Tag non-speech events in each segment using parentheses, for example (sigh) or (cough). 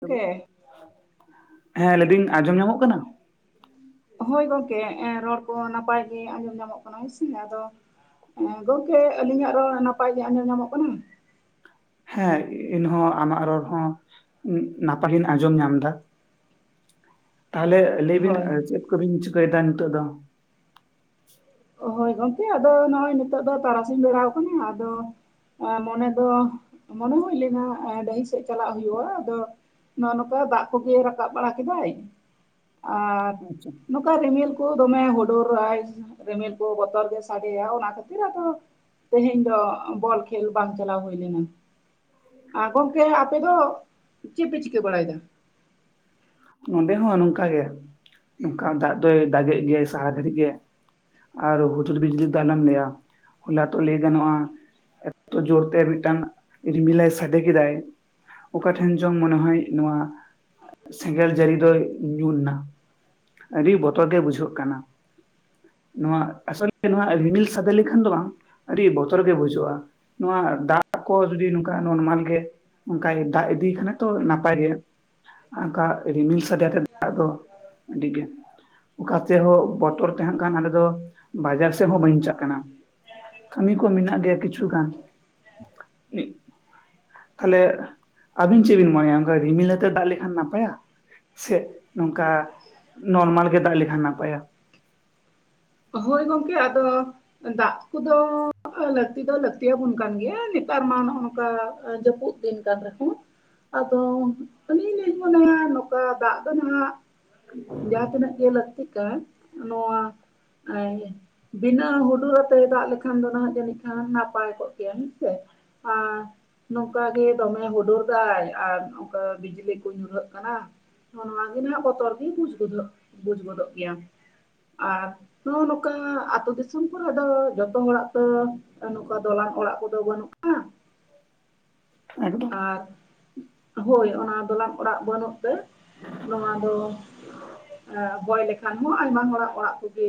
ᱜᱚᱝᱠᱮ ᱦᱮᱞᱳ ᱦᱮᱸ ᱞᱟᱹᱭ ᱮᱫᱟᱹᱧ ᱟᱸᱡᱚᱢ ᱧᱚᱜᱚᱜ ᱠᱟᱱᱟ ᱦᱚᱭ ᱜᱚᱝᱠᱮ ᱨᱚᱲ ᱠᱚ ᱦᱚᱸ ᱱᱟᱯᱟᱭ ᱜᱮ ᱟᱸᱡᱚᱢ ᱧᱟᱢᱚᱜ ᱠᱟᱱᱟ ᱦᱮᱸ ᱥᱮ ᱟᱫᱚ ᱦᱮᱸ ᱜᱚᱝᱠᱮ ᱟᱹᱞᱤᱧᱟᱜ ᱨᱚᱲ ᱱᱟᱯᱟᱭ ᱜᱮ ᱟᱸᱡᱚᱢ ᱧᱟᱢᱚᱜ ᱠᱟᱱᱟ ᱦᱮᱸ ᱤᱧ ᱦᱚᱸ ᱟᱢᱟᱜ ᱨᱚᱲ ᱦᱚᱸ ᱱᱟᱯᱟᱭ ᱤᱧ ᱟᱸᱡᱚᱢ ᱧᱟᱢ ᱮᱫᱟ ᱛᱟᱦᱚᱞᱮ ᱞᱟᱹᱭ ᱵᱤᱱ ᱦᱳᱭ ᱪᱮᱫ ᱠᱚ ᱵᱤᱱ ᱪᱤᱠᱟᱹ ᱮᱫᱟ ᱱᱤᱛᱚᱜ ᱫᱚ ᱦᱚᱭ ᱜᱚᱝᱠᱮ ᱟᱫᱚ ᱱᱚᱜᱼᱚᱭ ᱱᱤᱛᱚᱜ ᱫᱚ ᱛᱟᱨᱟᱥᱤᱧ ᱵᱮᱲᱟᱣ ᱟᱠᱟᱱᱟ ᱟᱫᱚ ᱢᱚᱱᱮ ᱫᱚ ᱢᱚᱱᱮ ᱦᱩᱭ ᱞᱮᱱᱟ ᱰᱟᱹᱦᱤ ᱥᱮᱫ ᱪᱟᱞᱟᱜ ᱦᱩᱭᱩᱜᱼᱟ ᱟᱫᱚ ᱱᱚᱜ ᱱᱚᱠᱟ ᱫᱟᱜ ᱠᱚ ᱜᱮ ᱨᱟᱠᱟᱵ ᱵᱟᱲᱟ ᱠᱮᱫᱟᱭ ᱟᱨ ᱟᱪᱪᱷᱟ ᱱᱚᱝᱠᱟ ᱨᱤᱢᱤᱞ ᱠᱚ ᱫᱚᱢᱮ ᱦᱩᱰᱩᱨᱟᱭ ᱨᱤᱢᱤᱞ ᱠᱚ ᱵᱚᱛᱚᱨ ᱜᱮ ᱥᱟᱰᱮᱭᱟ ᱚᱱᱟ ᱠᱷᱟᱹᱛᱤᱨ ᱟᱫᱚ ᱛᱮᱦᱮᱧ ᱫᱚ ᱵᱚᱞ ᱠᱷᱮᱞ ᱵᱟᱝ ᱪᱟᱞᱟᱣ ᱦᱩᱭ ᱞᱮᱱᱟ ᱟᱸ ᱜᱚᱝᱠᱮ ᱟᱯᱮ ᱫᱚ ᱪᱮᱫ ᱯᱮ ᱪᱤᱠᱟᱹ ᱵᱟᱲᱟ ᱮᱫᱟ ᱱᱚᱸᱰᱮ ᱦᱚᱸ ᱱᱚᱝᱠᱟ ᱜᱮ ᱱᱚᱝᱠᱟ ᱫᱟᱜ ᱫᱚᱭ ᱫᱟᱜ ᱫᱟᱜ ᱜᱮᱫ ᱜᱮᱭᱟᱭ ᱥᱟᱦᱟ ᱨᱮᱫ ᱜᱮᱭᱟᱭ ᱟᱨ ᱦᱩᱡᱩᱨ ᱵᱤᱡᱽᱞᱤ ᱫᱚ ᱟᱞᱚᱢ ᱞᱟᱹᱭᱟ ᱦᱚᱞᱟ ᱛᱚ ᱞᱟᱹᱭ ᱜᱟᱱᱚᱜᱼᱟ ᱮᱛᱚ ᱡᱳᱨ ᱛᱮ ᱢᱤᱫᱴᱟᱹᱝ ᱨᱤᱢᱤᱞᱟᱭ ᱥᱟᱰᱮ ᱠᱮᱫᱟᱭ ᱚᱠᱟ ᱴᱷᱮᱱ ᱪᱚᱝ ᱢᱚᱱᱮ (unintelligible) ᱥᱮᱸᱜᱮᱞ ᱡᱟᱹᱲᱤ ᱫᱚᱭ ᱧᱩᱨ ᱮᱱᱟ, ᱟᱹᱰᱤ ᱵᱚᱛᱚᱨ ᱜᱮ ᱵᱩᱡᱷᱟᱹᱣᱜ ᱠᱟᱱᱟ ᱱᱚᱣᱟ ᱟᱥᱚᱞ ᱱᱚᱣᱟ ᱨᱤᱢᱤᱞ ᱥᱟᱰᱮ ᱞᱮ ᱠᱷᱟᱱ ᱫᱚ ᱵᱟᱝ ᱟᱹᱰᱤ ᱵᱚᱛᱚᱨ ᱜᱮ ᱵᱩᱡᱷᱟᱹᱣᱜᱼᱟ ᱱᱚᱣᱟ ᱫᱟᱜ ᱠᱚ ᱡᱩᱫᱤ ᱱᱚᱝᱠᱟ ᱱᱚᱨᱢᱟᱞ ᱜᱮ ᱱᱚᱝᱠᱟᱭ ᱫᱟᱜ ᱤᱫᱤ ᱠᱷᱟᱱ ᱛᱚ ᱱᱟᱯᱟᱭ ᱜᱮ ᱚᱱᱠᱟ ᱨᱤᱢᱤᱞ ᱥᱟᱰᱮ ᱛᱮ ᱫᱟᱜ ᱫᱚ ᱟᱹᱰᱤ ᱜᱮ ᱚᱠᱟ ᱛᱮᱦᱚᱸ ᱵᱚᱛᱚᱨ ᱛᱟᱦᱮᱱ ᱠᱷᱟᱱ ᱟᱞᱮ ᱫᱚ ᱵᱟᱡᱟᱨ ᱥᱮᱫ ᱦᱚᱸ ᱵᱟᱹᱧ ᱪᱟᱜ ᱠᱟᱱᱟ ᱠᱟᱹᱢᱤ ᱠᱚ ᱢᱮᱱᱟᱜ ᱜᱮᱭᱟ ᱠᱤᱪᱷᱩ ᱜᱟᱱ ᱛᱟᱦᱞᱮ ᱟᱹᱵᱤᱱ ᱪᱮᱫ ᱵᱤᱱ ᱢᱚᱱᱮᱭᱟ ᱚᱱᱠᱟ ᱨᱤᱢᱤᱞ ᱟᱛᱮ ᱫᱟᱜ ᱞᱮ ᱞᱮᱠᱷᱟᱱ ᱱᱟᱯᱟᱭᱟ ᱥᱮᱫ ᱱᱚᱝᱠᱟ ᱱᱚᱨᱢᱟᱞ ᱜᱮ ᱫᱟᱜ ᱞᱮᱠᱷᱟᱱ ᱱᱟᱯᱟᱭᱟ ᱦᱚᱭ ᱜᱚᱢᱠᱮ ᱟᱫᱚ ᱫᱟᱜ ᱠᱚ ᱫᱚ ᱞᱟᱹᱠᱛᱤ ᱫᱚ ᱞᱟᱹᱠᱛᱤ ᱟᱵᱚᱱ ᱠᱟᱱ ᱜᱮᱭᱟ ᱱᱮᱛᱟᱨ ᱢᱟ ᱱᱚᱜ ᱱᱚᱝᱠᱟ ᱡᱟᱹᱯᱩᱫ ᱫᱤᱱ ᱠᱟᱱ ᱨᱮᱦᱚᱸ ᱟᱫᱚ ᱩᱱᱤ ᱞᱤᱧ ᱢᱚᱱᱮᱭᱟ ᱱᱚᱝᱠᱟ ᱫᱟᱜ ᱫᱚ ᱱᱟᱦᱟᱜ ᱡᱟᱦᱟᱸ ᱛᱤᱱᱟᱹᱜ ᱜᱮ ᱞᱟᱹᱠᱛᱤᱜ ᱠᱟᱱ ᱱᱚᱣᱟ (unintelligible) ᱵᱤᱱᱟᱹ ᱦᱩᱰᱩᱨᱟᱛᱮ ᱫᱟᱜ ᱞᱮᱠᱷᱟᱱ ᱫᱚ ᱱᱟᱦᱟᱜ ᱡᱟᱹᱱᱤᱡ ᱠᱷᱟᱱ ᱱᱟᱯᱟᱭ ᱠᱚᱜ ᱠᱮᱭᱟ ᱦᱩᱸ ᱥᱮ (unintelligible) ᱱᱚᱝᱠᱟ ᱜᱮ ᱫᱚᱢᱮ ᱦᱩᱰᱩᱨ ᱫᱟᱭ ᱟᱨ ᱱᱚᱝᱠᱟ ᱵᱤᱡᱽᱞᱤ ᱠᱚ ᱧᱩᱨᱦᱟᱹᱜ ᱠᱟᱱᱟ ᱱᱚᱣᱟᱜᱮ ᱱᱟᱸᱦ ᱵᱚᱛᱚᱨ ᱜᱮ ᱵᱩᱡᱽ ᱜᱚᱫᱷᱚᱜ ᱵᱩᱡᱽ ᱜᱚᱫᱚᱜ ᱜᱮᱭᱟ ᱟᱨ ᱱᱚᱜᱼᱚᱭ ᱱᱚᱝᱠᱟ ᱟᱛᱩ ᱫᱤᱥᱚᱢ ᱠᱚᱨᱮ ᱫᱚ ᱡᱚᱛᱚ ᱦᱚᱲᱟᱜ ᱛᱚ ᱱᱚᱝᱠᱟ ᱫᱚᱞᱟᱱ ᱚᱲᱟᱜ ᱠᱚᱫᱚ ᱵᱟᱹᱱᱩᱜᱼᱟ ᱮᱠᱫᱚᱢ ᱟᱨ ᱦᱳᱭ ᱚᱱᱟ ᱫᱚᱞᱟᱱ ᱚᱲᱟᱜ ᱵᱟᱹᱱᱩᱜ ᱱᱚᱣᱟ ᱫᱚ ᱵᱚᱭ ᱞᱮᱠᱷᱟᱱ ᱦᱚᱸ ᱟᱭᱢᱟ ᱦᱚᱲᱟᱜ ᱚᱲᱟᱜ ᱠᱚᱜᱮ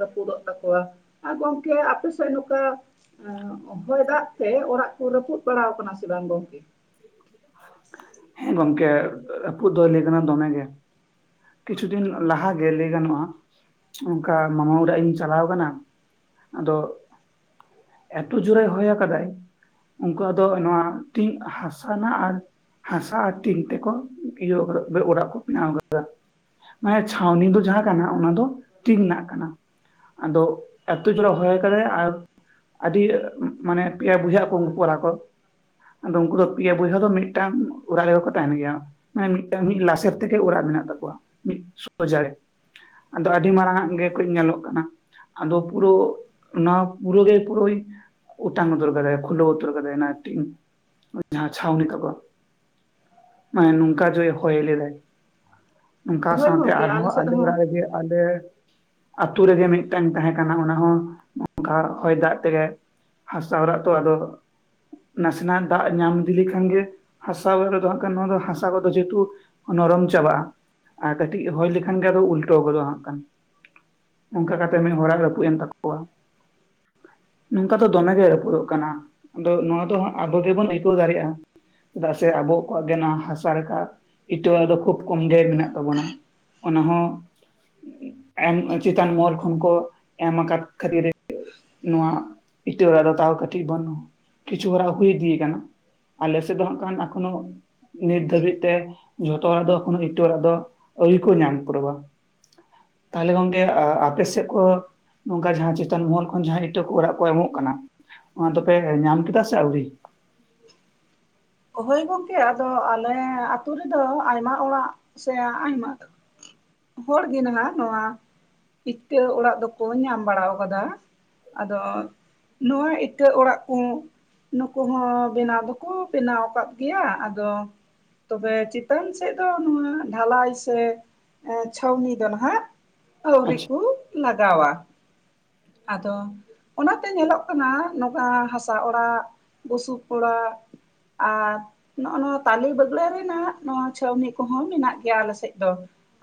ᱨᱟᱹᱯᱩᱫᱚᱜ ᱛᱟᱠᱚᱣᱟ ᱟᱨ ᱜᱚᱝᱠᱮ ᱟᱯᱮ ᱥᱮᱫ ᱱᱚᱝᱠᱟ ᱮ ᱦᱚᱭ ᱫᱟᱜ ᱛᱮ ᱚᱲᱟᱜ ᱠᱚ ᱨᱟᱹᱯᱩᱫ ᱵᱟᱲᱟ ᱠᱟᱱᱟ ᱥᱮ ᱵᱟᱝ ᱜᱚᱝᱠᱮ? ᱦᱮᱸ ᱜᱚᱝᱠᱮ ᱨᱟᱹᱯᱩᱫ ᱫᱚ ᱞᱟᱹᱭᱩᱜ ᱠᱟᱱᱟ ᱫᱚᱢᱮ ᱜᱮ ᱠᱤᱪᱷᱩ ᱫᱤᱱ ᱞᱟᱦᱟᱜᱮ ᱞᱟᱹᱭ ᱜᱟᱱᱚᱜᱼᱟ ᱚᱱᱠᱟ ᱢᱟᱢᱟ ᱚᱲᱟᱜ ᱤᱧ ᱪᱟᱞᱟᱣ ᱠᱟᱱᱟ ᱟᱫᱚ ᱮᱛ ᱡᱩᱨᱮ ᱦᱚᱭ ᱠᱟᱫᱟᱭ ᱩᱱᱠᱩᱣᱟᱜ ᱫᱚ ᱱᱚᱣᱟ ᱴᱤᱧ ᱦᱟᱸᱥ (unintelligible) ᱟᱨ ᱦᱟᱥᱟ ᱟᱨ ᱴᱤᱱ ᱛᱮᱠᱚ ᱤᱭᱟᱹ ᱠᱟᱫᱟ ᱚᱲᱟᱜ ᱠᱚ ᱵᱮᱱᱟᱣ ᱠᱟᱫᱟ ᱢᱟᱱᱮ ᱪᱷᱟᱣᱱᱤ ᱫᱚ ᱡᱟᱦᱟᱸ ᱠᱟᱱᱟ ᱚᱱᱟ ᱫᱚ ᱴᱤᱧ ᱨᱮᱱᱟᱜ ᱠᱟᱱᱟ ᱟᱫᱚ ᱮᱛ ᱡᱳᱨᱮ ᱦᱚᱭ ᱠᱟᱫᱟᱭ ᱟᱨ ᱟᱹᱰᱤ ᱢᱟᱱᱮ ᱯᱮᱭᱟ ᱵᱚᱭᱦᱟ ᱟᱠᱟ ᱩᱱᱠᱩ ᱠᱚᱲᱟ ᱠᱚ ᱟᱫᱚ ᱩᱱᱠᱩ ᱫᱚ ᱯᱮᱭᱟ ᱵᱚᱭᱦᱟ ᱫᱚ ᱢᱤᱫᱴᱟᱝ ᱚᱲᱟᱜ ᱨᱮᱜᱮᱠᱚ ᱛᱟᱦᱮᱱ ᱜᱮᱭᱟ ᱢᱟᱱᱮ ᱢᱤᱫᱴᱟᱝ ᱢᱤᱫ ᱞᱟᱥᱮᱨ ᱛᱮᱜᱮ ᱚᱲᱟᱜ ᱢᱮᱱᱟᱜ ᱛᱟᱠᱚᱣᱟ ᱢᱤᱫ ᱥᱚᱡᱟ ᱜᱮ ᱟᱫᱚ ᱟᱹᱰᱤ ᱢᱟᱨᱟᱝᱼᱟᱜ ᱜᱮᱠᱚ ᱧᱮᱞᱚᱜ ᱠᱟᱱᱟ ᱟᱫᱚ ᱯᱩᱨᱳ ᱚᱱᱟ ᱯᱩᱨᱟᱹᱜᱮ ᱯᱩᱨᱟᱹᱭ ᱚᱴᱟᱝ ᱩᱛᱟᱹᱨ ᱠᱟᱫᱟᱭ ᱠᱷᱩᱞᱟᱹᱣ ᱩᱛᱟᱹᱨ ᱠᱟᱫᱟᱭ ᱚᱱᱟ ᱴᱤᱧ ᱡᱟᱦᱟᱸ ᱪᱷᱟᱣᱱᱤ ᱠᱚᱫᱚ ᱢᱟᱱᱮ ᱱᱚᱝᱠᱟ ᱡᱚᱭᱮ ᱦᱚᱭ ᱞᱮᱫᱟᱭ ᱱᱚᱝᱠᱟ ᱦᱳᱭ ᱥᱟᱶᱛᱮ ᱜᱚᱢᱠᱮ ᱟᱨᱦᱚᱸ ᱥᱮᱫ ᱟᱞᱮ ᱦᱚᱸ ᱚᱲᱟᱜ ᱨᱮᱜᱮ ᱟᱞᱮ ᱟᱛᱩ ᱨᱮᱜᱮ ᱢᱤᱫᱴᱟᱝ ᱛᱟᱦᱮᱸ ᱠᱟᱱᱟ ᱚᱱᱟᱦᱚᱸ ᱱᱚᱝᱠᱟ ᱦᱚᱭ ᱫᱟᱜ ᱛᱮᱜᱮ ᱦᱟᱥᱟ ᱚᱬᱟᱜ ᱛᱚ ᱟᱫᱚ ᱱᱟᱥᱮᱱᱟᱜ ᱫᱟᱜ ᱧᱟᱢ ᱤᱫᱤ ᱞᱮᱠᱷᱟᱱ ᱜᱮ ᱦᱟᱥᱟ ᱚᱲᱟᱜ ᱨᱮᱫᱚ ᱦᱟᱸᱜ ᱠᱷᱟᱱ ᱱᱚᱣᱟ ᱫᱚ ᱦᱟᱥᱟ ᱠᱚᱫᱚ ᱡᱮᱦᱩᱛᱩ ᱱᱚᱨᱚᱢ ᱪᱟᱵᱟᱜᱼᱟ ᱟᱨ ᱠᱟᱹᱴᱤᱡ ᱦᱚᱭ ᱞᱮᱠᱷᱟᱱ ᱜᱮ ᱟᱫᱚ ᱩᱞᱴᱟᱹᱣ ᱜᱚᱫᱚᱜᱼᱟ ᱦᱟᱸᱠᱷᱟᱱ ᱱᱚᱝᱠᱟ ᱠᱟᱛᱮᱜ ᱢᱤᱫ ᱦᱚᱲᱟᱜ ᱨᱟᱹᱯᱩᱫ ᱮᱱ ᱛᱟᱠᱚᱣᱟ ᱱᱚᱝᱠᱟ ᱫᱚ ᱫᱚᱢᱮᱜᱮ ᱨᱟᱹᱯᱩᱫᱚᱜ ᱠᱟᱱᱟ ᱟᱫᱚ ᱱᱚᱣᱟ ᱫᱚ ᱟᱵᱚ ᱜᱮᱵᱚᱱ ᱟᱹᱭᱠᱟᱹᱣ ᱫᱟᱲᱮᱭᱟᱜᱼᱟ ᱪᱮᱫᱟᱜ ᱥᱮ ᱟᱵᱚ ᱠᱚᱣᱟᱜ ᱜᱮ ᱱᱚᱣᱟ ᱦᱟᱥᱟ ᱞᱮᱠᱟ ᱤᱴᱟᱹ ᱫᱚ ᱠᱷᱩᱵ ᱠᱚᱢ ᱜᱮ ᱢᱮᱱᱟᱜ ᱛᱟᱵᱚᱱᱟ ᱚᱱᱟ ᱦᱚᱸ ᱮᱢ ᱪᱮᱛᱟᱱ ᱢᱚᱦᱚᱞ ᱠᱷᱚᱱ ᱠᱚ ᱮᱢ ᱟᱠᱟᱫ ᱠᱷᱟᱹᱛᱤᱨ ᱱᱚᱣᱟ ᱤᱴᱟᱹ ᱚᱲᱟᱜ ᱫᱚ ᱛᱟᱣ ᱠᱟᱹᱴᱤᱡ ᱵᱟᱱᱩᱜ ᱠᱤᱪᱷᱩ ᱦᱚᱲᱟᱜ ᱫᱚ ᱦᱩᱭᱤᱫᱤᱭ ᱠᱟᱱᱟ ᱟᱞᱮ ᱥᱮᱫ ᱫᱚ ᱦᱟᱸᱜ ᱠᱷᱟᱱ ᱮᱠᱷᱚᱱᱳ ᱱᱤᱛ ᱫᱷᱟᱹᱵᱤᱡ ᱛᱮ ᱡᱷᱚᱛᱚ ᱦᱚᱲ ᱫᱚ ᱮᱠᱷᱚᱱᱚ ᱤᱴᱟᱹ ᱚᱲᱟᱜ ᱫᱚ ᱟᱹᱣᱨᱤ ᱠᱚ ᱧᱟᱢ ᱯᱩᱨᱟᱹᱣᱟ ᱛᱟᱦᱚᱞᱮ ᱜᱚᱝᱠᱮ ᱟᱯᱮ ᱥᱮᱫ ᱠᱚ ᱱᱚᱝᱠᱟ ᱡᱟᱦᱟᱸ ᱪᱮᱛᱟᱱ ᱢᱚᱦᱚᱞ ᱠᱷᱚᱱ ᱡᱟᱦᱟᱸ ᱤᱴᱟᱹ ᱠᱚ ᱚᱲᱟᱜ ᱠᱚ ᱮᱢᱚᱜ ᱠᱟᱱᱟ ᱚᱱᱟ ᱫᱚᱯᱮ ᱧᱟᱢ ᱠᱮᱫᱟ ᱥᱮ ᱟᱹᱣᱨᱤ? ᱦᱚᱭ ᱜᱚᱝᱠᱮ ᱟᱫᱚ ᱟᱞᱮ ᱟᱹᱛᱩ ᱨᱮᱫᱚ ᱟᱭᱢᱟ ᱚᱲᱟᱜ ᱥᱮ ᱟᱭᱢᱟ ᱦᱚᱲᱜᱮ ᱱᱟᱦᱟᱜ ᱱᱚᱣᱟ ᱤᱴᱟᱹ ᱚᱲᱟᱜ ᱫᱚᱠᱚ ᱧᱟᱢ ᱵᱟᱲᱟᱣ ᱠᱟᱫᱟ ᱟᱫᱚ ᱱᱚᱣᱟ ᱤᱴᱟᱹ ᱚᱲᱟᱜ ᱠᱚ ᱱᱩᱠᱩ ᱦᱚᱸ ᱵᱮᱱᱟᱣ ᱫᱚᱠᱚ ᱵᱮᱱᱟᱣ ᱠᱟᱫ ᱜᱮᱭᱟ ᱟᱫᱚ ᱛᱚᱵᱮ ᱪᱮᱛᱟᱱ ᱥᱮᱫ ᱫᱚ ᱱᱚᱣᱟ ᱰᱷᱟᱞᱟᱭ ᱥᱮ ᱪᱷᱟᱹᱣᱱᱤ ᱫᱚ ᱱᱟᱸᱜ ᱟᱹᱣᱨᱤ ᱟᱪᱪᱷᱟ ᱠᱚ ᱞᱟᱜᱟᱣᱟ ᱟᱫᱚ ᱚᱱᱟᱛᱮ ᱧᱮᱞᱚᱜ ᱠᱟᱱᱟ ᱱᱚᱝᱠᱟ ᱦᱟᱥᱟ ᱚᱲᱟᱜ ᱵᱩᱥᱩᱵ ᱚᱲᱟᱜ ᱟᱨ ᱱᱚᱜᱼᱚᱭ ᱱᱚᱣᱟ ᱛᱟᱞᱮ ᱵᱟᱹᱜᱲᱟᱹ ᱨᱮᱱᱟᱜ ᱱᱚᱣᱟ ᱪᱷᱟᱴᱟᱹᱣᱱᱤ ᱠᱚᱦᱚᱸ ᱢᱮᱱᱟᱜ ᱜᱮᱭᱟ ᱟᱞᱮ ᱥᱮᱫ ᱫᱚ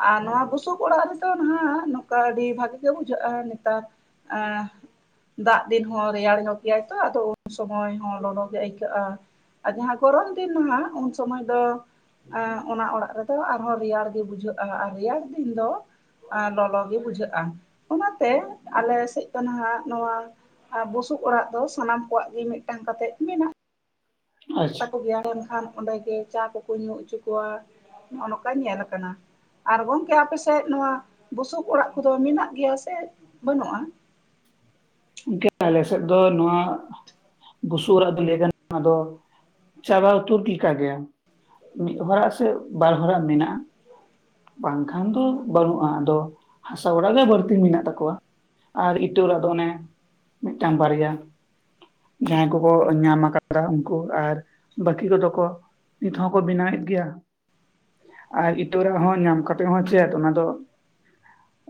ᱟᱨ ᱱᱚᱣᱟ ᱵᱩᱥᱩᱵᱽ ᱚᱲᱟᱜ ᱨᱮᱫᱚ ᱱᱟᱸᱜ ᱱᱚᱝᱠᱟ ᱜᱮ ᱟᱹᱰᱤ ᱵᱷᱟᱜᱮ ᱜᱮ ᱵᱩᱡᱷᱟᱹᱜᱼᱟ ᱱᱮᱛᱟᱨ (unintelligible) ᱫᱟᱜ ᱫᱤᱱ ᱦᱚᱸ ᱨᱮᱭᱟᱲ ᱧᱚᱜ ᱜᱮᱭᱟᱭ ᱛᱚ ᱟᱫᱚ ᱩᱱ ᱥᱚᱢᱚᱭ ᱦᱚᱸ ᱞᱚᱞᱚ ᱜᱮ ᱟᱹᱭᱠᱟᱹᱜᱼᱟ ᱟᱨ ᱡᱟᱸᱦᱟᱸ ᱜᱚᱨᱚᱢ ᱫᱤᱱ ᱫᱚ ᱦᱟᱸᱜ ᱩᱱ ᱥᱚᱢᱚᱭ ᱫᱚ ᱚᱱᱟ ᱚᱲᱟᱜ ᱨᱮᱫᱚ ᱟᱨᱦᱚᱸ ᱨᱮᱭᱟᱲ ᱜᱮ ᱵᱩᱡᱷᱟᱹᱜᱼᱟ ᱟᱨ ᱨᱮᱭᱟᱲ ᱫᱤᱱ ᱫᱚ ᱟ ᱞᱚᱞᱚ ᱜᱤ ᱵᱩᱡᱷᱟᱹᱜ-ᱟ ᱚᱱᱟᱛᱮ ᱟᱞᱮ ᱥᱮᱡ ᱫᱚ ᱱᱟᱦᱟᱜ ᱱᱚᱣᱟ ᱟᱨ ᱵᱩᱥᱩᱵ ᱚᱲᱟᱜ ᱫᱚ ᱥᱟᱱᱟᱢ ᱠᱚᱣᱟᱜ ᱜᱤ ᱢᱤᱫᱴᱟᱝ ᱠᱟᱛᱮᱫ ᱢᱮᱱᱟᱜ ᱟᱪᱪᱷᱟ ᱛᱟᱠᱚ ᱜᱮᱭ ᱮᱱᱠᱷᱟᱱ ᱚᱸᱰᱮ ᱜᱮ ᱪᱟ ᱠᱚᱠᱚ ᱧᱩ ᱚᱪᱚ ᱠᱚᱣᱟ ᱱᱚᱜ-ᱚ ᱱᱚᱸᱠᱟ ᱧᱮᱞ ᱟᱠᱟᱱᱟ ᱟᱨ ᱜᱚᱝᱠᱮ ᱟᱯᱮᱥᱮᱫ ᱱᱚᱣᱟ ᱵᱩᱥᱩᱵ ᱚᱲᱟᱜ ᱠᱚᱫᱚ ᱢᱮᱱᱟᱜ ᱜᱮᱭᱟ ᱥᱮ ᱵᱟᱹᱱᱩᱜᱼᱟ ᱜᱚᱝᱠᱮ ᱟᱞᱮᱥᱮᱫ ᱫᱚ ᱱᱚᱣᱟ ᱵᱩᱥᱩᱵ ᱚᱲᱟᱜ ᱫᱚ ᱞᱟᱹᱭ ᱜᱟᱱᱚᱜᱼᱟ ᱟᱫᱚ ᱪᱟᱵᱟ ᱩᱛᱟᱹᱨ ᱞᱮᱠᱟ ᱜᱮ ᱢᱤᱫ ᱦᱚᱲᱟᱜ ᱥᱮ ᱵᱟᱨ ᱦᱚᱲᱟᱜ ᱢᱮᱱᱟᱜᱼᱟ ᱵᱟᱝᱠᱷᱟᱱ ᱫᱚ ᱵᱟᱹᱱᱩᱜᱼᱟ ᱟᱫᱚ ᱦᱟᱥᱟ ᱚᱲᱟᱜ ᱜᱮ ᱵᱟᱲᱛᱤ ᱢᱮᱱᱟᱜ ᱛᱟᱠᱚᱣᱟ ᱟᱨ ᱤᱴᱟᱹ ᱚᱲᱟᱜ ᱫᱚ ᱚᱱᱮ ᱢᱤᱴᱟᱝ ᱵᱟᱨᱭᱟ ᱡᱟᱸᱦᱟᱸᱭ ᱠᱚᱠᱚ ᱧᱟᱢ ᱟᱠᱟᱫᱟ ᱩᱱᱠᱩ ᱟᱨ ᱵᱟᱺᱠᱤ ᱠᱚᱫᱚ ᱠᱚ ᱱᱤᱛ ᱦᱚᱸᱠᱚ ᱵᱮᱱᱟᱣᱮᱫ ᱜᱮᱭᱟ ᱟᱨ ᱤᱴᱟᱹ ᱚᱲᱟᱜ ᱦᱚᱸ ᱧᱟᱢ ᱠᱟᱛᱮᱫ ᱦᱚᱸ ᱪᱮᱫ ᱚᱱᱟ ᱫᱚ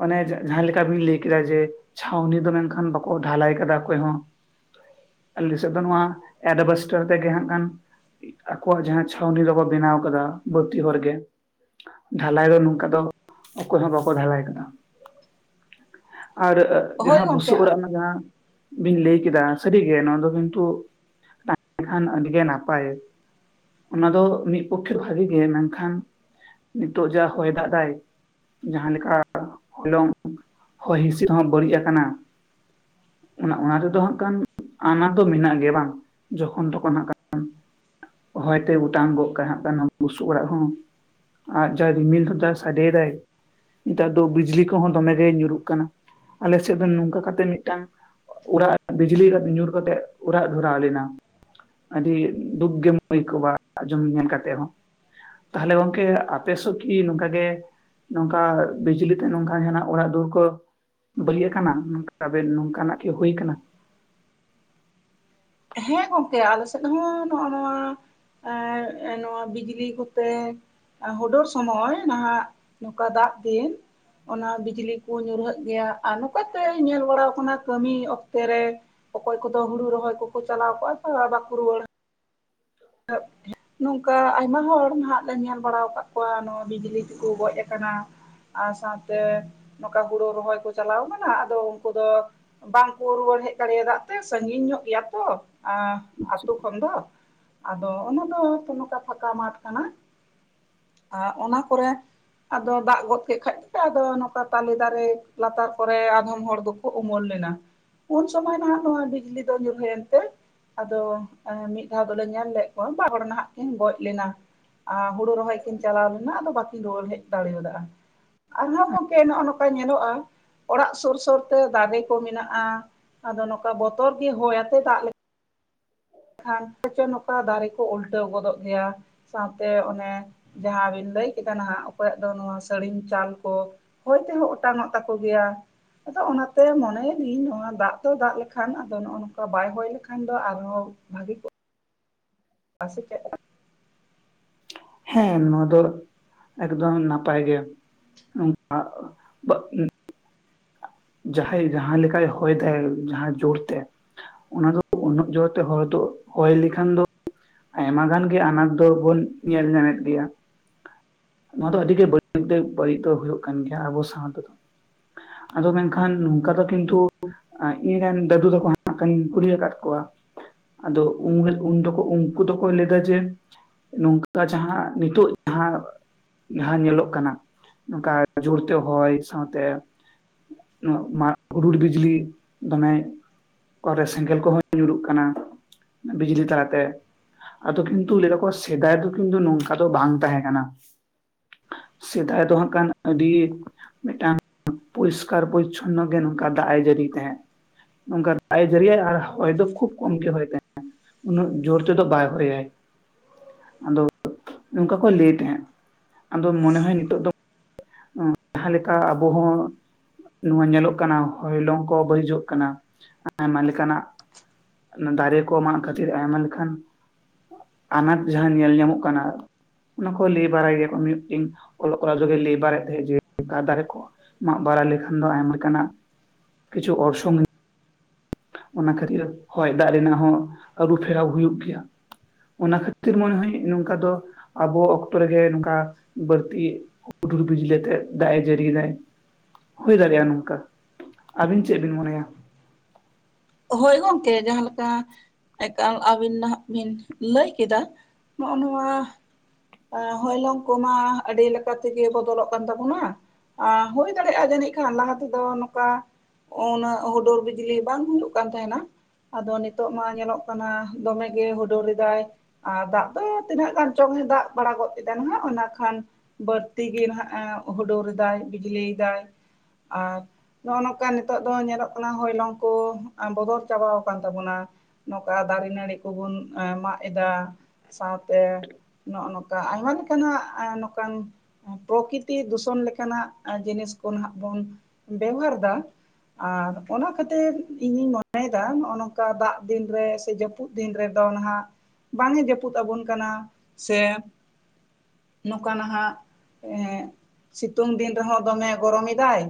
ᱚᱱᱮ ᱡᱟᱸᱦᱟᱸ ᱞᱮᱠᱟ ᱵᱤᱱ ᱞᱟᱹᱭ ᱠᱮᱫᱟ ᱡᱮ ᱪᱷᱟᱣᱱᱤ ᱫᱚ ᱢᱮᱱᱠᱷᱟᱱ ᱠᱚ ᱰᱷᱟᱞᱟᱭ ᱠᱟᱫᱟ ᱚᱠᱚᱭ ᱦᱚᱸ ᱟᱞᱮᱥᱮᱫ ᱫᱚ ᱱᱚᱣᱟ ᱮᱰᱵᱮᱥᱴᱟᱨ ᱛᱮᱜᱮ ᱦᱟᱸᱜ ᱠᱷᱟᱱ ᱟᱠᱚᱣᱟᱜ ᱡᱟᱸᱦᱟᱸ ᱪᱷᱟᱣᱱᱤ ᱫᱚᱠᱚ ᱵᱮᱱᱟᱣ ᱠᱟᱫᱟ ᱵᱟᱹᱲᱛᱤ ᱦᱚᱲ ᱜᱮ ᱰᱷᱟᱞᱟᱭ ᱫᱚ ᱱᱚᱝᱠᱟ ᱫᱚ ᱚᱠᱚᱭ ᱦᱚᱸ ᱵᱟᱠᱚ ᱰᱷᱟᱞᱟᱭ ᱠᱟᱫᱟ ᱟᱨ ᱦᱳᱭ ᱡᱟᱸᱦᱟᱸ ᱜᱚᱝᱠᱮ ᱵᱩᱥᱩᱵ ᱚᱲᱟᱜ ᱚᱱᱟ ᱡᱟᱸᱦᱟ ᱵᱤᱱ ᱞᱟᱹᱭ ᱠᱮᱫᱟ ᱥᱟᱹᱨᱤᱜᱮ ᱱᱚᱣᱟ ᱫᱚ ᱠᱤᱱᱛᱩ ᱛᱟᱦᱮᱸ ᱞᱮᱠᱷᱟᱱ ᱟᱹᱰᱤ ᱜᱮ ᱱᱟᱯᱟᱭ ᱚᱱᱟ ᱫᱚ ᱢᱤᱫ ᱯᱚᱠᱠᱷᱮ ᱵᱷᱟᱜᱤ ᱜᱮ ᱢᱮᱱᱠᱷᱟᱱ ᱱᱤᱛᱚᱜ ᱡᱟ ᱦᱚᱭ ᱫᱟᱜ ᱫᱟᱭ ᱡᱟᱸᱦᱟᱸ ᱞᱮᱠᱟ ᱦᱚᱞᱚᱝ ᱦᱚᱭ ᱦᱤᱸᱥᱤᱫ ᱦᱚᱸ ᱵᱟᱹᱲᱤᱡ ᱟᱠᱟᱱᱟ ᱚᱱᱟ ᱚᱱᱟ ᱨᱮᱫᱚ ᱦᱟᱸᱜ ᱠᱷᱟᱱ ᱟᱱᱟᱴ ᱫᱚ ᱢᱮᱱᱟᱜ ᱜᱮᱭᱟ ᱵᱟᱝ ᱡᱚᱠᱷᱚᱱ ᱛᱚᱠᱷᱚᱱ ᱦᱟᱸᱜ ᱠᱷᱟᱱ ᱦᱚᱭᱛᱮ ᱚᱴᱟᱝ ᱜᱚᱜ ᱠᱟᱜ-ᱟ ᱦᱟᱸᱜ ᱠᱷᱟᱱ ᱵᱩᱥᱩᱵ ᱚᱲᱟᱜ ᱦᱚᱸ ᱟᱨ ᱡᱟᱭ ᱨᱤᱢᱤᱞ ᱫᱟᱭ ᱥᱟᱰᱮᱭᱫᱟᱭ ᱱᱮᱛᱟᱨ ᱫᱚ ᱵᱤᱡᱽᱞᱤ ᱠᱚᱸᱦᱚᱸ ᱫᱚᱢᱮ ᱜᱮ ᱧᱩᱨᱩᱜ ᱠᱟᱱᱟ ᱟᱞᱮ ᱥᱮᱫ ᱫᱚ ᱱᱚᱝᱠᱟ ᱠᱟᱛᱮ ᱢᱤᱫ ᱴᱟᱝ ᱚᱲᱟᱜ ᱵᱤᱡᱽᱞᱤ ᱠᱟᱛᱮ ᱧᱩᱨ ᱠᱟᱛᱮᱜ ᱚᱲᱟᱜ ᱫᱷᱚᱨᱟᱣ ᱞᱮᱱᱟ ᱟᱰᱤ ᱫᱩᱠ ᱜᱮᱢ ᱟᱹᱭᱠᱟᱹᱣᱟ ᱟᱡᱚᱢ ᱧᱮᱞ ᱠᱟᱛᱮᱜ ᱦᱚᱸ ᱛᱟᱦᱞᱮ ᱜᱚᱝᱠᱮ ᱟᱯᱮᱥᱚ ᱠᱤ ᱱᱚᱝᱠᱟ ᱜᱮ ᱱᱚᱝᱠᱟ ᱵᱤᱡᱽᱞᱤᱛᱮ ᱱᱚᱝᱠᱟ ᱡᱟᱦᱱᱟᱜ ᱚᱲᱟᱜ ᱫᱩᱣᱟᱹᱨ ᱠᱚ ᱵᱟᱲᱤᱡ ᱟᱠᱟᱱᱟ ᱛᱠᱵᱮᱱ ᱱᱚᱝᱠᱟᱱᱟᱜ ᱠᱤ ᱦᱩᱭ ᱠᱟᱱᱟ ᱦᱮᱸ ᱜᱚᱝᱠᱮ ᱟᱞᱮ ᱥᱮᱫ ᱦᱚᱸ ᱱᱚᱜ-ᱚ ᱱᱚᱣᱟ ᱮ ᱱᱚᱣᱟ ᱵᱤᱡᱽᱞᱤ ᱠᱚᱛᱮ ᱦᱩᱰᱚᱨ ᱥᱚᱢᱚᱭ ᱱᱟᱦᱟᱜ ᱱᱚᱝᱠᱟ ᱫᱟᱜ ᱫᱤᱱ ᱚᱱᱟ ᱵᱤᱡᱽᱞᱤ ᱠᱩ ᱧᱩᱨᱦᱟᱹᱜ ᱜᱮᱭᱟ ᱟᱨ ᱱᱚᱠᱟᱛᱮ ᱧᱮᱞ ᱵᱟᱲᱟᱣ ᱠᱟᱱᱟ ᱠᱟᱹᱢᱤ ᱚᱠᱛᱮ ᱨᱮ ᱚᱠᱚᱭ ᱠᱚᱫᱚ ᱦᱩᱲᱩ ᱨᱚᱦᱚᱭ ᱠᱚᱠᱚ ᱪᱟᱞᱟᱣ ᱠᱚᱜᱼᱟ ᱛᱚ ᱵᱟᱠᱚ ᱨᱩᱣᱟᱹᱲᱟ (unintelligible) ᱱᱚᱝᱠᱟ ᱟᱭᱢᱟ ᱦᱚᱲ ᱱᱟᱦᱟᱜ ᱞᱮ ᱧᱮᱞ ᱵᱟᱲᱟᱣ ᱠᱟᱫ ᱠᱚᱣᱟ ᱱᱚᱣᱟ ᱵᱤᱡᱽᱞᱤ ᱛᱮᱠᱩ ᱜᱚᱡ ᱟᱠᱟᱱᱟ ᱟᱨ ᱥᱟᱶᱛᱮ ᱱᱚᱸᱠᱟ ᱦᱩᱲᱩ ᱨᱚᱦᱚᱭ ᱠᱚ ᱪᱟᱞᱟᱣ ᱠᱟᱱᱟ ᱟᱫᱚ ᱩᱱᱠᱩ ᱫᱚ ᱵᱟᱝᱠᱚ ᱨᱩᱣᱟᱹᱲ ᱦᱮᱡ ᱫᱟᱲᱮᱭᱫᱟ ᱫᱟᱜ ᱛᱮ ᱥᱟᱸᱜᱤᱧ ᱧᱚᱜ ᱜᱮᱭᱟ ᱠᱚ ᱟᱛᱩ ᱠᱷᱚᱱ ᱫᱚ ᱟᱫᱚ ᱚᱱᱟ ᱫᱚ ᱱᱚᱸᱠᱟ ᱯᱷᱟᱠᱟ ᱢᱟᱴᱷ ᱠᱟᱱᱟ ᱚᱱᱟ ᱠᱚᱨᱮ ᱟᱫᱚ ᱫᱟᱜ ᱜᱚᱫ ᱠᱮᱫ ᱠᱷᱟᱡ ᱟᱫᱚ ᱱᱚᱸᱠᱟ ᱛᱟᱞᱮ ᱫᱟᱨᱮ ᱞᱟᱛᱟᱨ ᱠᱚᱨᱮ ᱟᱫᱷᱚᱢ ᱦᱚᱲ ᱫᱚ ᱠᱚ ᱩᱢᱩᱞ ᱞᱮᱱᱟ ᱩᱱ ᱥᱚᱢᱚᱭ ᱱᱟᱦᱟᱜ ᱱᱚᱣᱟ ᱵᱤᱡᱞᱤ ᱫᱚ ᱧᱩᱨᱦᱟᱹᱭᱮᱱ ᱛᱮ ᱟᱫᱚ ᱢᱤᱫ ᱫᱷᱟᱣ ᱫᱚᱞᱮ ᱧᱮᱞ ᱞᱮᱫ ᱠᱚᱣᱟ ᱵᱟᱨ ᱦᱚᱲ ᱱᱟᱦᱟᱜ ᱠᱤᱱ ᱜᱚᱡ ᱞᱮᱱᱟ ᱦᱩᱲᱩ ᱨᱚᱦᱚᱭ ᱠᱤᱱ ᱪᱟᱞᱟᱣ ᱞᱮᱱᱟ ᱟᱫᱚ ᱵᱟᱠᱤᱱ ᱨᱩᱣᱟᱹᱲ ᱦᱮᱡ ᱫᱟᱲᱮᱭᱟᱫᱟ ᱟᱨᱦᱚᱸ ᱜᱚᱝᱠᱮ ᱱᱚᱜᱼᱚ ᱱᱚᱝᱠᱟ ᱧᱮᱞᱚᱜᱼᱟ ᱚᱲᱟᱜ ᱥᱩᱨ ᱥᱩᱨᱛᱮ ᱫᱟᱨᱮ ᱠᱚ ᱢᱮᱱᱟᱜᱼᱟ ᱟᱫᱚ ᱱᱚᱝᱠᱟ ᱵᱚᱛᱚᱨ ᱜᱮ ᱦᱚᱭ ᱟᱛᱮ ᱫᱟᱜ ᱠᱷᱟᱱ ᱯᱟᱪᱚ ᱱᱚᱝᱠᱟ ᱫᱟᱨᱮ ᱠᱚ ᱩᱞᱴᱟᱹᱣ ᱜᱚᱫᱚᱜ ᱜᱮᱭᱟ ᱥᱟᱶᱛᱮ ᱚᱱᱮ ᱡᱟᱦᱟᱸ ᱵᱤᱱ ᱞᱟᱹᱭ ᱠᱮᱫᱟ ᱱᱟᱦᱟᱜ ᱚᱠᱚᱭᱟᱜ ᱫᱚ ᱱᱚᱣᱟ ᱥᱟᱹᱲᱤᱢ ᱪᱟᱞ ᱠᱚ ᱦᱚᱭ ᱛᱮᱦᱚᱸ ᱚᱴᱟᱝᱚᱜ ᱛᱟᱠᱚ ᱜᱮᱭᱟ ᱟᱫᱚ ᱚᱱᱟᱛᱮ ᱢᱚᱱᱮᱭᱮ ᱫᱤᱧ ᱱᱚᱣᱟ ᱫᱟᱜ ᱫᱚ ᱫᱟᱜ ᱞᱮᱠᱷᱟᱱ ᱟᱫᱚ ᱱᱚᱜ-ᱚ ᱱᱚᱝᱠᱟ ᱵᱟᱭ ᱦᱚᱭ ᱞᱮᱠᱷᱟᱱ ᱫᱚ ᱟᱨᱦᱚᱸ ᱵᱷᱟᱹᱜᱮ ᱠᱚᱜ- ᱟ ᱥᱮ ᱪᱮᱫᱠᱟ ᱦᱮᱸ ᱱᱚᱣᱟ ᱫᱚ ᱮᱠᱫᱚᱢ ᱱᱟᱯᱟᱭ ᱜᱮ (unintelligible) ᱡᱟᱦᱟᱸᱭ ᱡᱟᱦᱟᱸ ᱞᱮᱠᱟᱭ ᱦᱚᱭ ᱫᱟᱭ ᱡᱟᱦᱟᱸ ᱡᱳᱨᱛᱮ ᱚᱱᱟ ᱫᱚ ᱩᱱᱟᱹᱜ ᱡᱳᱨᱛᱮ ᱦᱚᱭ ᱫᱚ ᱦᱚᱭ ᱞᱮᱠᱷᱟᱱ ᱫᱚ ᱟᱭᱢᱟ ᱜᱟᱱ ᱜᱮ ᱟᱱᱟᱴ ᱫᱚᱵᱚᱱ ᱧᱮᱞ ᱧᱟᱢᱮᱫ ᱜᱮᱭᱟ ᱱᱚᱣᱟ ᱫᱚ ᱟᱹᱰᱤ ᱜᱮ ᱵᱟᱹᱲᱤᱡ ᱫᱚ ᱵᱟᱹᱲᱤᱡ ᱫᱚ ᱦᱩᱭᱩᱜ ᱠᱟᱱ ᱜᱮᱭᱟ ᱟᱵᱚ ᱥᱟᱶ ᱛᱮᱫᱚ ᱟᱫᱚ ᱢᱮᱱᱠᱷᱟᱱ, ᱱᱚᱝᱠᱟ ᱫᱚ ᱠᱤᱱᱛᱩ ᱤᱧ ᱨᱮᱱ ᱫᱟᱹᱫᱩ ᱛᱟᱠᱚ ᱦᱟᱱᱟ (inaudible) ᱠᱟᱹᱧ ᱠᱩᱞᱤ ᱟᱠᱟᱫ ᱠᱚᱣᱟ ᱟᱫᱚ ᱩᱱᱨᱮ ᱩᱱ ᱫᱚᱠᱚ ᱩᱱ ᱩᱱᱠᱩ ᱫᱚᱠᱚ ᱞᱟᱹᱭᱟ ᱡᱮ ᱱᱚᱝᱠᱟ ᱡᱟᱦᱟᱸ ᱱᱤᱛᱚᱜ ᱡᱟᱦᱟᱸ ᱡᱟᱦᱟᱸ ᱧᱮᱞᱚᱜ ᱠᱟᱱᱟ ᱱᱚᱝᱠᱟ ᱡᱳᱨᱛᱮ ᱦᱚᱭ ᱥᱟᱶᱛᱮ (unintelligible) ᱦᱩᱰᱩᱨ ᱵᱤᱡᱽᱞᱤ ᱫᱚᱢᱮ ᱚᱠᱟ ᱨᱮ ᱥᱮᱸᱜᱮᱞ ᱠᱚᱦᱚᱸ ᱧᱩᱨᱩᱜ ᱠᱟᱱᱟ ᱵᱤᱡᱽᱞᱤ ᱛᱟᱞᱟᱛᱮ ᱟᱫᱚ ᱠᱤᱱᱛᱩ ᱞᱟᱹᱭ ᱫᱟᱠᱚ ᱥᱮᱫᱟᱭ ᱫᱚ ᱠᱤᱱᱛᱩ ᱱᱚᱝᱠᱟ ᱫᱚ ᱵᱟᱝ ᱛᱟᱦᱮᱸ ᱠᱟᱱᱟ ᱥᱮᱫᱟᱭ ᱫᱚ ᱦᱟᱸᱜ ᱠᱟᱱ ᱟᱹᱰᱤ ᱢᱤᱫᱴᱟᱝ ᱯᱚᱨᱤᱥᱠᱟᱨ ᱯᱚᱨᱤᱪᱷᱚᱱᱱᱚ ᱜᱮ ᱱᱚᱝᱠᱟ ᱫᱟᱜ ᱮ ᱡᱟᱹᱲᱤ ᱛᱟᱦᱮᱸᱜ ᱱᱚᱝᱠᱟ ᱫᱟᱜ ᱮ ᱡᱟᱹᱨᱤᱭᱟ ᱟᱨ ᱦᱚᱭ ᱫᱚ ᱠᱷᱩᱵ ᱠᱚᱢᱜᱮ ᱦᱚᱭ ᱛᱟᱦᱮᱱᱟ᱾ ᱩᱱᱟᱹᱜ ᱡᱳᱨ ᱱᱚᱛᱮ ᱫᱚ ᱵᱟᱭ ᱦᱚᱭᱟᱭ ᱟᱫᱚ ᱱᱚᱝᱠᱟ ᱠᱚ ᱞᱟᱹᱭ ᱛᱟᱦᱮᱸᱫ, ᱟᱫᱚ ᱢᱚᱱᱮ ᱦᱚᱭ ᱱᱤᱛᱚᱜ ᱫᱚ ᱡᱟᱦᱟᱸ ᱞᱮᱠᱟ ᱟᱵᱚ ᱦᱚᱸ ᱱᱚᱣᱟ ᱧᱮᱞᱚᱜ ᱠᱟᱱᱟ ᱦᱚᱭᱞᱚᱝ ᱠᱚ ᱵᱟᱹᱲᱤᱡᱚᱜ ᱠᱟᱱᱟ ᱟᱭᱢᱟ ᱞᱮᱠᱟᱱᱟᱜ ᱫᱟᱨᱮ ᱠᱚ ᱢᱟᱜ ᱠᱷᱟᱹᱛᱤᱨ ᱟᱭᱢᱟ ᱞᱮᱠᱟᱱ ᱟᱱᱟᱴ ᱡᱟᱦᱟᱸ ᱧᱮᱞ ᱧᱟᱢᱚᱜ ᱠᱟᱱᱟ ᱟᱨ ᱚᱱᱟ ᱠᱚ ᱞᱟᱹᱭ ᱵᱟᱲᱟᱭ ᱜᱮᱭᱟᱠᱚ ᱢᱤ-ᱢᱤᱫᱴᱤᱱ ᱚᱞᱚᱜ ᱠᱚᱲᱟ ᱫᱚᱞᱮ ᱞᱟᱹᱭ ᱵᱟᱲᱟᱭᱮᱫ ᱛᱟᱦᱮᱸ ᱡᱮ ᱚᱱᱠᱟ ᱫᱟᱨᱮ ᱠᱚ ᱢᱟᱜ ᱵᱟᱲᱟ ᱞᱮᱠᱷᱟᱱ ᱫᱚ ᱟᱭᱢᱟ ᱞᱮᱠᱟᱱᱟᱜ ᱠᱤᱪᱷᱩ ᱚᱨᱥᱚᱝ ᱚᱱᱟ ᱠᱷᱟᱹᱛᱤᱨ ᱦᱚᱭ ᱫᱟᱜ ᱨᱮᱱᱟᱜ ᱦᱚᱸ ᱟᱹᱨᱩᱯᱷᱮᱨᱟᱣ ᱦᱩᱭᱩᱜ ᱜᱮᱭᱟ ᱚᱱᱟ ᱠᱷᱟᱹᱛᱤᱨ ᱢᱚᱱᱮ ᱦᱚᱭ ᱱᱚᱝᱠᱟ ᱫᱚ ᱟᱵᱚ ᱚᱠᱛᱚ ᱨᱮᱜᱮ ᱱᱚᱝᱠᱟ ᱵᱟᱹᱲᱛᱤ ᱦᱩᱰᱩᱨ ᱵᱤᱡᱽᱞᱤ ᱟᱛᱮᱜ ᱫᱟᱜ ᱮ ᱡᱟᱹᱲᱤᱭᱮᱫᱟᱭ ᱦᱩᱭ ᱫᱟᱲᱮᱭᱟᱜᱼᱟ ᱱᱚᱝᱠᱟ ᱟᱹᱵᱤᱱ ᱪᱮᱫ ᱵᱤᱱ ᱢᱚᱱᱮᱭᱟ ᱦᱳᱭ ᱜᱚᱝᱠᱮ ᱡᱟᱦᱟᱸ ᱞᱮᱠᱟ ᱮᱠᱟᱞ ᱟᱹᱵᱤᱱ ᱱᱟᱦᱟᱜ ᱵᱤᱱ ᱞᱟᱹᱭ ᱠᱮᱫᱟ ᱱᱚᱜᱼᱚ ᱱᱚᱣᱟ ᱦᱚᱭᱞᱚᱝ ᱠᱚᱢᱟ ᱟᱹᱰᱤ ᱞᱮᱠᱟ ᱛᱮᱜᱮ ᱵᱚᱫᱚᱞᱚᱜ ᱠᱟᱱ ᱛᱟᱵᱚᱱᱟ ᱦᱩᱭ ᱫᱟᱲᱮᱭᱟᱜᱼᱟ ᱡᱟᱹᱱᱤᱡ ᱠᱷᱟᱱ ᱞᱟᱦᱟ ᱛᱮᱫᱚ ᱱᱚᱝᱠᱟ ᱩᱱᱟᱹᱜ ᱦᱩᱰᱚᱨ ᱵᱤᱡᱽᱞᱤ ᱵᱟᱝ ᱦᱩᱭᱩᱜ ᱠᱟᱱ ᱛᱟᱦᱮᱱᱟ ᱟᱫᱚ ᱱᱤᱛᱚᱜ ᱢᱟ ᱧᱮᱞᱚᱜ ᱠᱟᱱᱟ ᱫᱚᱢᱮ ᱜᱮ ᱦᱳᱰᱳᱨ ᱮᱫᱟᱭ ᱟᱨ ᱫᱟᱜ ᱫᱚ ᱛᱤᱱᱟᱹᱜ ᱜᱟᱱ ᱪᱚᱝ ᱮ ᱫᱟᱜ ᱵᱟᱲᱟ ᱜᱚᱫ ᱠᱮᱫᱟ ᱱᱟᱜ ᱚᱱᱟ ᱠᱷᱟᱱ ᱵᱟᱹᱲᱛᱤ ᱜᱮ ᱦᱟᱜ ᱮ ᱦᱩᱰᱩᱨ ᱫᱟᱭ ᱵᱤᱡᱽᱞᱤᱭ ᱫᱟᱭ ᱟᱨ ᱱᱚᱜᱼᱚ ᱱᱚᱝᱠᱟ ᱱᱤᱛᱚᱜ ᱫᱚ ᱧᱮᱞᱚᱜ ᱠᱟᱱᱟ ᱦᱚᱭᱞᱚᱝ ᱠᱚ ᱵᱚᱫᱚᱞ ‌ᱪᱟᱵᱟᱣ ᱟᱠᱟᱱ ᱛᱟᱵᱚᱱᱟ ᱱᱚᱝᱠᱟ ᱫᱟᱨᱮ ᱱᱟᱹᱲᱤ ᱠᱚᱵᱩᱱ ᱢᱟᱜ ᱮᱫᱟ ᱥᱟᱶᱛᱮ ᱱᱚᱜᱼᱚ ᱱᱚᱝᱠᱟᱱ ᱟᱭᱢᱟ ᱞᱮᱠᱟᱱᱟᱜ ᱱᱚᱝᱠᱟᱱ ᱯᱨᱚᱠᱤᱛᱤ ᱫᱩᱥᱚᱱ ᱞᱮᱠᱟᱱᱟᱜ ᱡᱤᱱᱤᱥ ᱠᱚ ᱱᱟᱸᱜ ᱵᱚᱱ ᱵᱮᱵᱷᱟᱨ ᱮᱫᱟ ᱟᱨ ᱚᱱᱟ ᱠᱷᱟᱹᱛᱤᱨ ᱤᱧᱤᱧ ᱢᱚᱱᱮᱭᱮᱫᱟ ᱱᱚᱜᱼᱚᱭ ᱱᱚᱝᱠᱟ ᱫᱟᱜ ᱫᱤᱱ ᱨᱮ ᱥᱮ ᱡᱟᱹᱯᱩᱫ ᱫᱤᱱ ᱨᱮᱫᱚ ᱱᱟᱦᱟᱜ ᱵᱟᱝ ᱮ ᱡᱟᱹᱯᱩᱫ ᱟᱵᱚᱱ ᱠᱟᱱᱟ᱾ ᱥᱮ ᱱᱚᱝᱠᱟ ᱱᱟᱦᱟᱜ ᱮ ᱥᱤᱛᱩᱝ ᱫᱤᱱ ᱨᱮᱦᱚᱸ ᱫᱚᱢᱮ ᱜᱚᱨᱚᱢᱮᱫᱟᱭ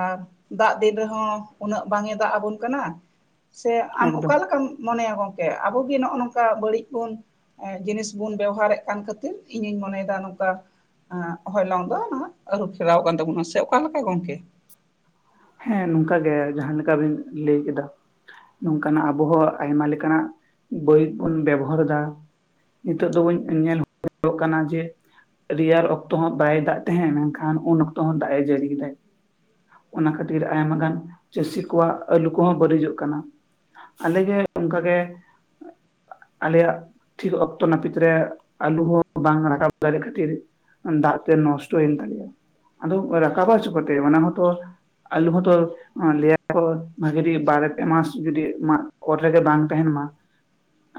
ᱟᱨ ᱫᱟᱜ ᱫᱤᱱ ᱨᱮᱦᱚᱸ ᱩᱱᱟᱹᱜ ᱵᱟᱝ ᱮ ᱫᱟᱜ ᱟᱵᱚᱱ ᱠᱟᱱᱟ, ᱥᱮ ᱟᱢ ᱮᱠᱫᱚᱢ ᱚᱠᱟ ᱞᱮᱠᱟᱢ ᱢᱚᱱᱮᱭᱟ ᱜᱚᱝᱠᱮ ᱟᱵᱚ ᱜᱮ ᱱᱚᱜᱼᱚ ᱱᱚᱝᱠᱟ ᱵᱟᱹᱲᱤᱡ ᱵᱚᱱ ᱜᱴᱡᱤᱱᱤᱥ ᱵᱚᱱ ᱵᱮᱵᱷᱟᱨᱮᱫ ᱠᱟᱱ ᱠᱷᱟᱹᱛᱤᱨ ᱤᱧᱤᱧ ᱢᱚᱱᱮᱭᱮᱫᱟ ᱱᱚᱝᱠᱟ ᱦᱚᱭᱞᱚᱝ ᱫᱚ ᱱᱟ ᱟᱹᱨᱩ ᱯᱷᱮᱨᱟᱣ ᱠᱟᱱ ᱛᱟᱵᱚᱱᱟ ᱥᱮ ᱚᱠᱟᱞᱮᱠᱟ ᱜᱚᱝᱠᱮ? ᱦᱮᱸ ᱱᱚᱝᱠᱟ ᱜᱮ ᱡᱟᱦᱟᱸᱞᱮᱠᱟ ᱵᱤᱱ ᱞᱟᱹᱭ ᱠᱮᱫᱟ ᱱᱚᱝᱠᱟᱱᱟᱜ ᱟᱵᱚ ᱦᱚᱸ ᱟᱭᱢᱟ ᱞᱮᱠᱟᱱᱟᱜ ᱵᱳᱭᱤ ᱵᱚᱱ ᱵᱮᱵᱚᱦᱟᱨ ᱫᱟ ᱦᱤᱛᱚᱜ ᱫᱚᱵᱚᱱ ᱧᱮᱞ ᱦᱩᱭᱩᱜᱚᱜ ᱠᱟᱱᱟ ᱡᱮ ᱨᱮᱭᱟᱲ ᱚᱠᱛᱚ ᱦᱚᱸ ᱵᱟᱭ ᱫᱟᱜ ᱛᱟᱦᱮᱸᱫ ᱢᱮᱱᱠᱷᱟᱱ ᱩᱱ ᱚᱠᱛᱚ ᱦᱚᱸ ᱫᱟᱜ ᱮ ᱡᱟᱹᱲᱤ ᱠᱮᱫᱟᱭ ᱚᱱᱟ ᱠᱷᱟᱹᱛᱤᱨ ᱟᱭᱢᱟ ᱜᱟᱱ ᱪᱟᱹᱥᱤ ᱠᱚᱣᱟᱜ ᱟᱹᱞᱩ ᱠᱚᱦᱚᱸ ᱵᱟᱹᱲᱤᱡᱚᱜ ᱠᱟᱱᱟ ᱟᱞᱮᱜᱮ ᱚᱝᱠᱟᱜᱮ ᱟᱞᱮᱭᱟᱜ ᱴᱷᱤᱠ ᱚᱠᱛᱚ ᱱᱟᱹᱯᱤᱛ ᱨᱮ ᱟᱞᱩ ᱦᱚᱸ ᱵᱟᱝ ᱨᱟᱠᱟᱵ ᱫᱟᱲᱮ ᱠᱷᱟᱹᱛᱤᱨ ᱫᱟᱜ ᱛᱮ ᱱᱚᱥᱴᱚᱭᱮᱱ ᱛᱟᱞᱮᱭᱟ ᱟᱫᱚ ᱨᱟᱠᱟᱵᱟ ᱪᱤᱠᱳᱛᱮ ᱚᱱᱟ ᱦᱚᱸᱛᱚ ᱟᱞᱩ ᱦᱚᱸᱛᱚ ᱞᱭᱟᱠᱚ ᱵᱷᱟᱜᱮ ᱴᱷᱤᱠ ᱵᱟᱨ ᱯᱮ ᱢᱟᱥ ᱡᱩᱫᱤ ᱢᱟ ᱚᱨ ᱨᱮᱜᱮ ᱵᱟᱝ ᱛᱟᱦᱮᱱ ᱢᱟ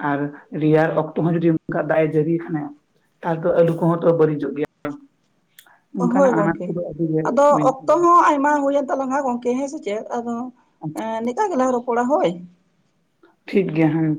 ᱟᱨ ᱨᱮᱭᱟᱲ ᱚᱠᱛᱚ ᱦᱚᱸ ᱡᱩᱫᱤ ᱚᱝᱠᱟ ᱫᱟᱜ ᱮ ᱡᱟᱹᱲᱤ ᱠᱷᱟᱱ-ᱮ ᱛᱟᱦᱞᱮ ᱛᱚ ᱟᱞᱩ ᱠᱚᱦᱚᱸ ᱛᱚ ᱵᱟᱹᱲᱤᱡᱚᱜ ᱜᱮᱭᱟ ᱦᱳᱭ ᱚᱱᱠᱟᱱᱟᱜ ᱟᱱᱟᱴ ᱜᱚᱝᱠᱮ ᱠᱚᱫᱚ ᱟᱹᱰᱤ ᱜᱮ ᱟᱫᱚ ᱢᱮᱱᱟᱜ ᱚᱠᱛᱚ ᱜᱮᱭᱟ ᱦᱚᱸ ᱟᱭᱢᱟ ᱦᱩᱭᱮᱱ ᱛᱟᱞᱟᱝᱼᱟ ᱜᱚᱢ ᱦᱮᱸ ᱥᱮ ᱪᱮᱫ ᱟᱫᱚ ᱟᱪᱪᱷᱟ ᱱᱤᱠᱟᱹ ᱜᱮᱞᱟᱝ ᱨᱚᱯᱚᱲᱟ ᱦᱳᱭ ᱴᱷᱤᱠ ᱜᱮᱭᱟ ᱦᱩᱸ